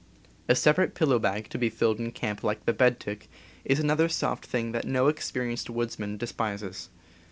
A separate pillow bag, to be filled in camp like the bed tick, is another soft thing that no experienced woodsman despises.